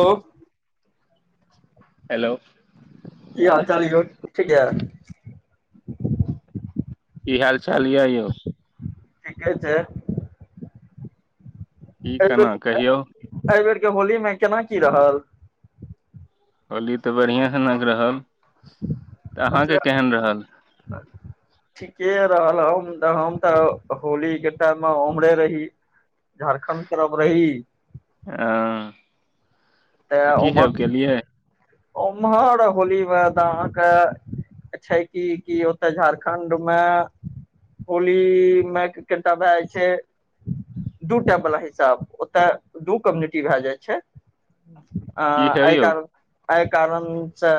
ओ hello कऽ ह चाल यौ ठीक यार की हाल चाल यइ यौ ठीके छय की केना कहियौ एहि बेेर के होली में केना की रहल होली तऽ बढ़िआं सनक रहल तऽ अहाँके केहन रहल हं ठीके रहल हम हम तऽ होली के टाइम में उम्हरे रही झारखण्ड तरफ रही ह तऽ की सब केेलिए उमहर होली में त अहांके छै कि कि ओतय झारखण्ड में होली में कटा भए जाइ छै दू टा वालला हिसाब ओतय दू कम्युनिटी भए जाइ छय आ की हेब एहि यौ कारण एहि कारणसँ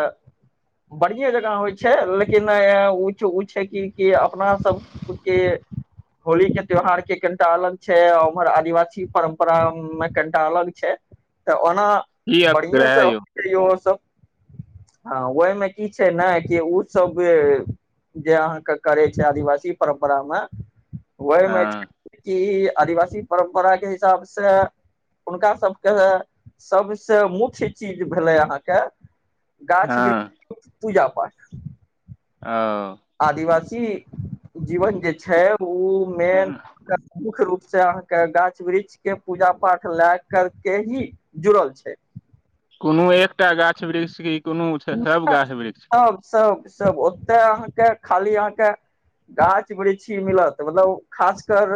बढ़िए जंका होइ छय लेकिन ओ छै की की अपना सब ओ होली के त्यौहार के कनिटा अलग छय उम्हर आदिवासी परम्परा में कनिटा अलग छय तऽ ओना की अक बढ़िएँसँ रहै हो यौ छै ओसब हँ ओहिमे कि छै ने ओसभ जे अहाँकेँ करै छै आदिवासी परम्परामे ओहिमे हँ छै ई आदिवासी परम्परा के हिसाबसँ हुनका सभके सभस मुठ्य चीज भेले अहाके गाछ के हँ वृक्ष पूजा पाठ। ओ। आदिवासी जीवन जे छै, ओ मे मुख्य रूप से अहाँकेँ गाछ वृक्ष के पूजा पाठ लए कर के ही जुड़ल छै। कोनो एकटा गाछ वृक्षके कोनो सभ गाछ वृक्षके सभ सभ ओते अहाँकेँ खाली अहाँकेँ गाछ वृषी मिलत मतलब खास कर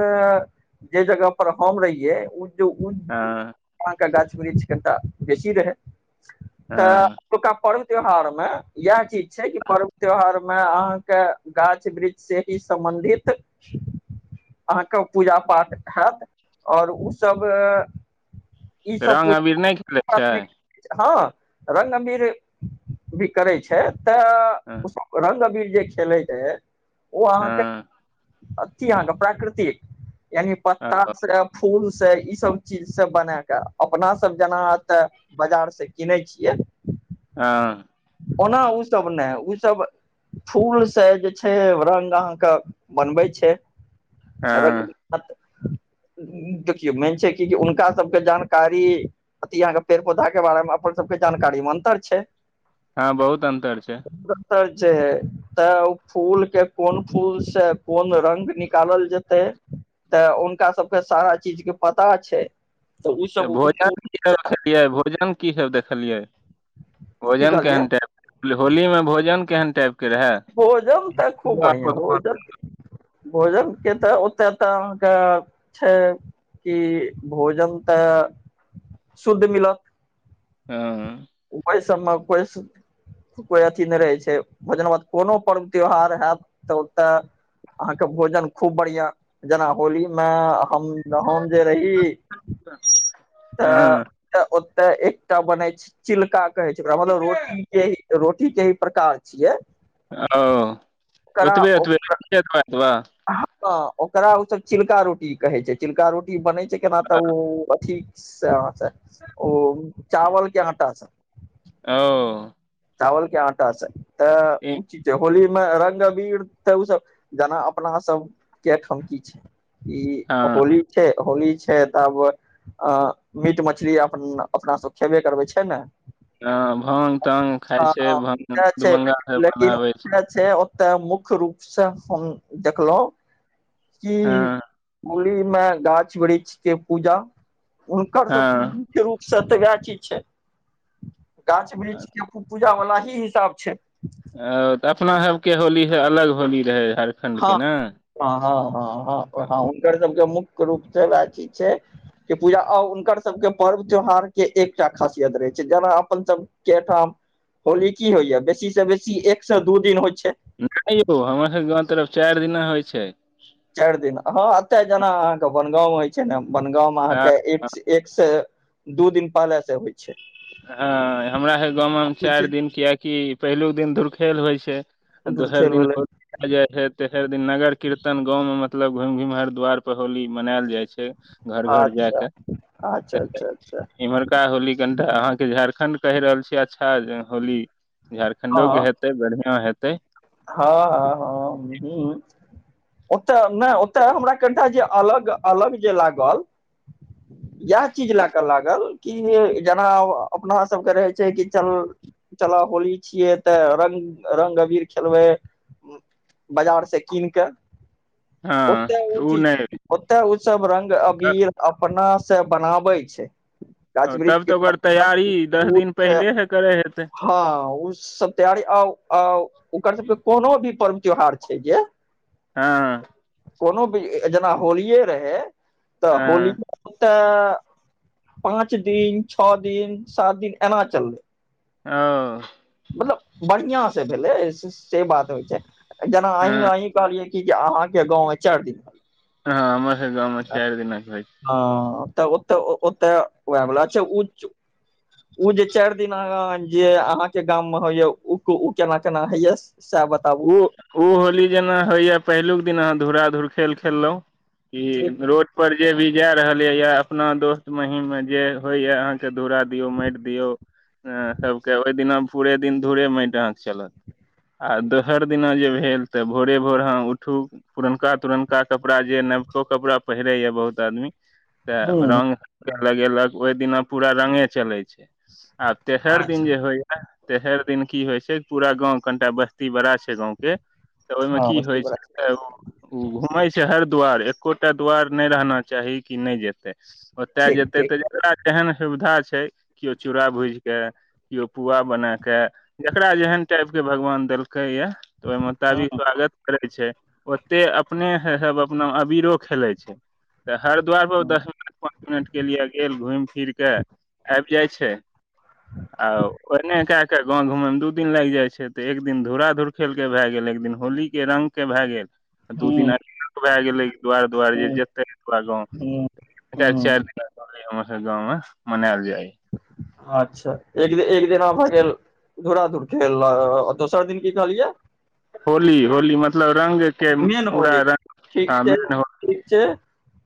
जे जगह पर हम रहियै आ। वहाँकेँ गाछ वृक्ष कनिटा बेसी रहै हँ तऽ पर्व त्यौहार मे इह चीज छै कि पर्व त्यौहार मे अहाँकेँ गाछ वृक्ष से ही सम्बन्धित अहाँकेँ पूजा पाठ हत आओर ओसभ ई तऽ सभ रंग अबीर नहि खेलै पूजा छै प्रामिक हँ रगअबीर भी करै छै तऽ हँ ओसभ रगंअबीर जे खेलैत ह ओ अहाँकेँ हँ थी हग प्राकृतिक य पत्त फूल से ई सभ चीज से बना क अपना सभ जेना ते बजार से किनै छियै। हँ। ओना ओसभ नहि ओसभ। फूल से जे छै रंग अहाँकेँ बनबै छै हँ रंग देखियौ मेन छै, कि हुनका सभके जानकारी अ यहाँकेँ पेड़ पौधा के बारे मे अपन सभके जानकारी मे अन्तर छै हँ, बहुत अन्तर छै। अन्तर है तऽ ओ फूल के कोन फूल से कोन रंग निकाल जेतै तऽ हुनका सभके सारा चीज के पता छै। ओ तऽ सब ओ भोजन फूल की सबियै भोजन की सभ देखलियै की भोजन कहलियै केहन टाइम। होली मे भोजन केहन टाईप कऽ भोजन तऽ खूब बढ़िआ पकवान भोजन। भोजन के तऽ ओत तऽ अहाँकेँ छै कि भोजन तऽ शुद्ध मिल हँ। पैस सममे उपैस कोइ अथि नहि रहै छै भोजन बात कोनो पर्व त्योहार हैत तऽ ओतय। अहाँकेँ भोजन खूब बढ़िया जेना होली मे हम हम जे रही तऽ तऽ ओते एकटा बनै छै, चिलका कहे छै, ओकरा मतलब रोटी। यै रोटी के ही प्रकार छिये आ ओतबे ओतबे ओ एतब अतबा हँ, ओकरा ओ सभ चिलका रोटी कहै छै, चिलका रोटी बनै छै, केना तऽ ओ अथि। से हाथे ओ चावलके आटा सँ ओ चावल के आटा से तऽ ओ एक छै जे होली में रंग अबीर तऽ ओ सब जेना अपना सब के अइठाम की छै ई हँ होली छै होली छै तऽब अ मीट मछली अप अपना सब खेबे करबै छै ने हँ भाङग तांग खाइ हँ छै सएह भभंगा से बनाबै छ्य तऽ मुख्य रूपसँ हम देखलहुँ कऽ हँ होली में गाछ वृक्ष के पूजा हुनकर सबके हँ मुख्य रूप सब तऽ वएह चीज छै गाछ वृक्ष के खुब पूजा वला ही हिसाब छै ओ तऽ अपना सबके होली से अलग होली रहै हर हाँ हँ हँ हँ हँ हँ हुनकर सबके मुख्य रूपसँ सेवा चीज छय के पूजा आ उनकर सबके पर्व त्योहार के एकटा खासियत रहे छै जेना अपन सब के ठाम होली की होइया बेसी से बेसी एक से दू दिन होइ छय नय यौ हमर सबके गाँव तरफ चारि दिना होइ छै चाइर दिन हँ एतय जेना अहाँके बनगाँव मे होइ छै ने बनगाँव मे आ अहाँके ए एक से दू दिन पहले से होइ छय हँ हमरा हे गाँवमे चाइर छै दिन कियकि पहिलुक दिन धुरखेल होइ छै आ धूर दोसर खेल दिन भेलै हो मल जाइ छै तऽ एकर दिन नगर कीर्तन गाँव में मतलब घुमि घुमि हरि द्वारपर होली मनायल जाइ छै घर घर अच्छा जायके अच्छा खेतै अच्छा अच्छा इम्हर टा होली कनिटा अहाँके झारखण्ड कहि रहल छै अच्छा होली झारखण्डो के हँ हेत बढ़िआं हेतै हँ हँ ह ह ओतय नय ओतय हमरा कनि टा जे अलग अलग जे लागल इएह चीज लए कऽ लागल कि जेना अपना सबके रहे छै कि चल चला होली छियै तैं रंग रंग अबीर खेलबै बाजार से कीन कऽ हँ ओते ओ चीज नहि ओतेय ओ सब रंग त- अबीर अपना से बनाबै छय तब तऽ ओकर तैयारी दस दिन से। पहिलेहे करे हेते हँ ओ सब तेयारी आउ आउ ओकर सबके कोनो भी पर्व त्योहार छै जे हँ कोनो भी जेना होलिये रहै तऽ होली हँ ओते पाँच दिन छौ दिन सात दिन एना चलतै हं मतलब बढ़िआँ से भेलै से बात होइ छय जेना अही हँ अही कहलियै की जे अहाँ के गाँव में चाइर दिन हँ हमर सब गाँवमे चारि दिना होइ छय हँ तऽ ओतऽ ओतऽएहा ओ जे चाइर दिन आं जे अहाँके गाम मे होइय ओ ओ केना केना होइया से ओ ओ होली जेना होइए पहिलुक दिन अहाँ धूराधुर खेल खेलहुँ की ठीक रोड पर जे भी जा रहल य या अपना दोस्त महीम में जे होइ या अहाँके धरा दियौ माटि दियौ सबकेँ ओहि दिना पूरे दिन धूरे माटि अहाँकेँ चलत आ दोस सर दिना जे भेल तऽ भोरे भोर अहाँ उठू पुरनका तुरनका कपड़ा जे नवको कपड़ा पहिरै य बहुत आदमी तऽ हूँ रंग लगेलक ओहि दिना पूरा रंगे चलै छै आब तेसर दिन अच्छा जे होइ य तेसर दिन की होइ छै पूरा गाँव कनिटा बस्ती बड़ा छै गाँवकेँ तऽ ओहिमे हँ की बस्ती होइ बला छै [unintelligible] उ घूमैं छै हर द्वार एकोटा द्वार नहि रहना चाही की नहि जेतै ओतय ठीक जेतै ठीक तऽ जेकरा जेहन सुविधा छै किओ चूड़ा भुजि कऽ केओ पुआ बना केँ जेकरा जेहन टाइप केँ भगवान देलकै य तऽ ओहि हूँ मोताबिक स्वागत करै छै ओते अपने हे अपने मे अबीरो खेलै छै तऽ हरद्वार पर ओ हूँ दस मिनट पाँच मिनट केँ लिए गेल घुमि फिर कऽ आबि जाइ छै आ ओने केँ कऽ गाँव घूमेय मे दू दिन लागि जाय छै तऽ एक दिन धूरा धुर खेल के भए गेल एक दिन होली केँ रंग केँ भए गेल दू हूँ दिना भए गेलै दुआर दुआर जे हूँ जेतै पुरा गाँव हूँ [unintelligible] चार हूँ दिना हमर सबकेँ गाँवमे मनेैल जाइ अच्छा एक एक दिना भऽ गेल धराधुर खेल लऽ आ दोसर दिन की कहलियै होली होली मतलब रंग केँ मेन होली पूरा रंग मेन हो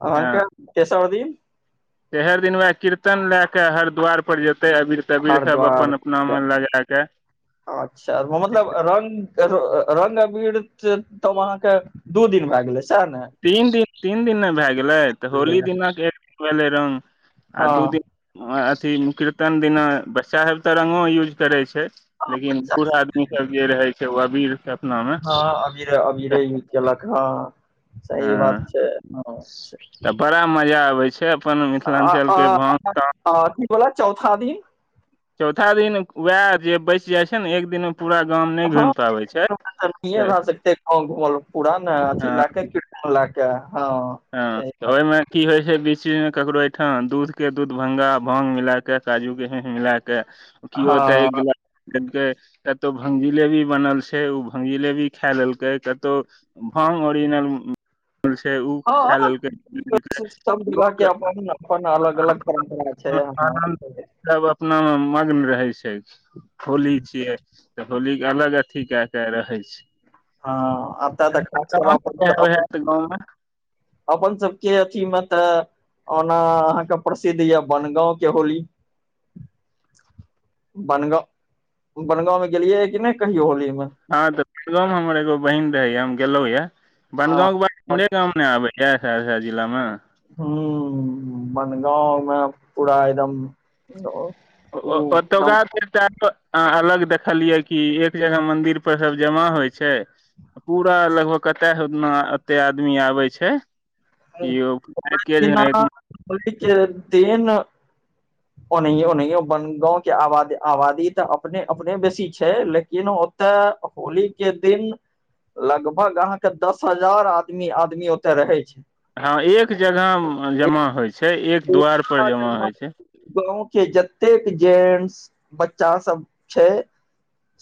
अहाँकेँ तेसर दिन तेर दिन वैह कीर्तन लैऽ कऽ हरद्वार पर जेतै अबीर तबीर सब हरद्वार अपन अपना मे लगा के अच्छा मतलब रंग रंग अबीर तब जे अहाँ केँ दू दिन भय गेलै सएह ने तीन दिन तीन दिन नऽ भए गेलै तऽ होली दिना कऽ एक भेलै रंग आ हँ दू दिन अथी कीर्तन दिना बच्चा सब तऽ रंगो यूज करै छै हँ, लेकिन बच्चा बूढ़ आदमी सब जे रहै छै ओ अबीर सब हँ अबीरे अबीरे यूज केलक हँ सही बात हँ छै हँ तऽ बड़ा मजा आबै छै अपन मिथिलाञ्चल के भान तान [unintelligible] अथि बला चौथा दिन चौथा दिन वएह जे बैच जाइ छै नऽ एक दिन पूरा गाम नहि हँ घुमि पाबै छै पुरा तऽ नहिये भए सकते गाँव घुमल पूरा ने अथि हँ लै की लै केँ हँ सही बात ओहि मे की होय छै बिच बिच मे केकरो एहिठाम दूध केँ दूध भंगा भांग मिला के काजू के हिंग मिला केँ केँ कियो ओतै हँ एक गिलास देलकै कतहु भंग जिलेबी बनल छै उ भंग जिलेबी खा लेलकै कतहु भाग ओरिजिनल [unintelligible] उ खा हँ लेलकैै पी लेलकै सब जगह के लोक अपन अपन अलग अलग परम्परा छै [unintelligible] आनन्द सब अपना मे मग्न रहै छै होली छियै तऽ होलीे अलग अथी केँ कऽ रहै छै हँ एतय तऽ खास [unintelligible] कर अपन अपन गाँवमे अपन सभकेँ अथी म तऽ ओना अहाँ कऽ प्रसिद्ध यऽ बनगाँव केँ होली बनगाँव बनगाँंव मे गेलियैै यऽ कि नहि कहियो होली मेऽ हँ तऽ बनगाँव म हमर एगो बहिन रहै यऽ हम गेलहुँ यऽ हँ बनगाँव कऽ बाद हमरे गाममें नय आबैए सहरसा जिलामे ह्म बनगाँव में पूरा एकदम ओ एकदम ओतुका फेर चाइर [unintelligible] अह अलग देखलियै कि एक जगह मंदिर पर सब जमा होइ छय पूरा लगभग कते ओना एते आदमी आबै छय [unintelligible] ब क देन ओनाहिय ओनाहिये बन गाँंव के आबादी तऽ अपने अपने बेसी छय लेकिन तऽ होली के दिन लगभग अहाँके दस हजार आदमी आदमी ऐते रहे छय हँ एक जगह जमा होइ छै एक द्वारपर जमा होइ छय गाँव के जतेक जेंटस बच्चा सब छय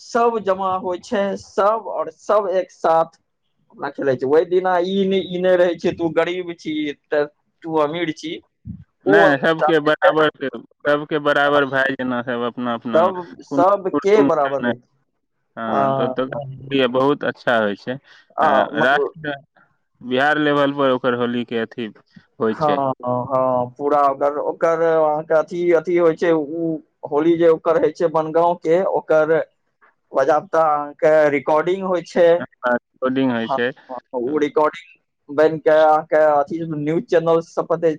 सब जमा होइ छय सब ओर सब एक साथ अपना खेलै छय ओहि दिना ई ई नहि रहै छै तऽ गरीब छी तऽ तूँ अमीर छी ओ नय वाला हिसाब सबके जे छै बराबर सभके बराबर भाय जेना सब अपना अपनामे सब को सबके बराबर ह रहै छै हँ तत [unintelligible] बहुत अच्छा होइ छय आ मतलब राष्ट्र बिहार लेवल पर ओकर होली के अथी होइ हँ छै हँ पूरा ओ ओकर अहाँके अथि अथि होइ छै ओ होली जे ओकर होइ छय बनगाँव के ओकर बजाता अह के रिकॉर्डिंग होइ होर्डिंग होइ छै ओ हँ रिकॉर्डिंग बैन कय अथि न्यूज चैनल स तऽ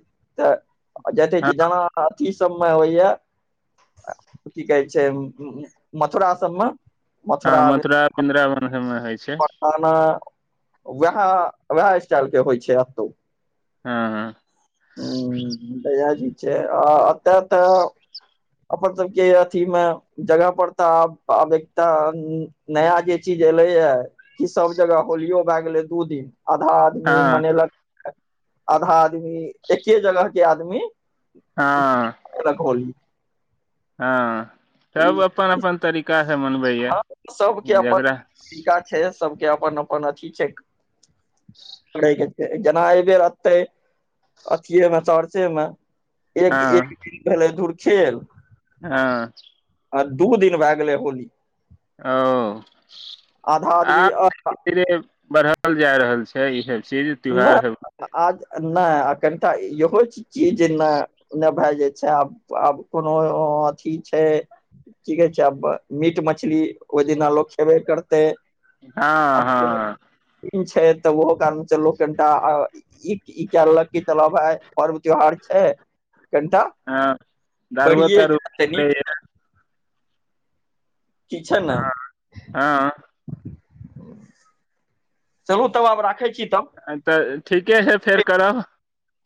ज तऽ जे जनाथ सबमे होइ या की कहै छय मथुरा सबमे हँ मथुरा पिन्दरा ब समय हो छय [unintelligible] बखान वएह वएह स्टाइल के होइ छय एतहु हँ हँ ह तऽयज छय आ अत तऽ अपर सबके अथी में जगह परता आब एकटा नया जे चीज एले ये कि सब जगह होलियो भए गेले दू दिन आधा आदमी हँ मनेलक आधा आदमी एके जगह के आदमी हँ एकरा कहली हँ सब अपन अपन तरीका से मन हँ सबके अपन तरीका छय सबके अपन अपन अथी छय जेना एहि बेर एते अथिये में चर्चे में एक एक हँ दिन भेल धूर खेल हँ आ दू दिन भए गेलै होली ओ आधा आदमी आब धीरे बढ़ देखल जा रहल छै इसब चीज त्योहार नय सब आज नय आ कनिटा इहो छिय जे न नय [unintelligible] भए जे छय आब आब कोनो अथी छय की कहै छै अपन मीट मछली ओहि दिना लोक खेबे करतै हँ आब कोनो हँ छै तऽ ओहो कारण से लोक कनिटा ई ई कए लेलक कि चलब आय पर्व त्योहार छै कनिटा हँ दारुओ बढ़िए तारू जा निक किछ न हँ चलू तब आब राखै छी तब तऽ ठीके हे फेर करब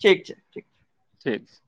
ठीक छै ठीक छै ठीक छै